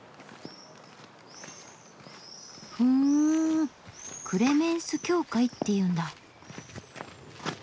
ふんクレメンス教会っていうんだ。